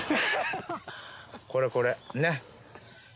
これこれ。